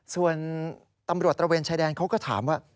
ส่วนตำรวจตระเวนชายแดนเขาก็ถามว่า